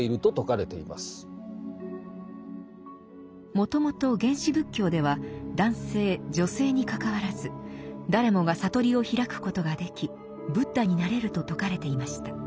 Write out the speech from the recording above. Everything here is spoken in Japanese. もともと原始仏教では男性女性にかかわらず誰もが覚りを開くことができ仏陀になれると説かれていました。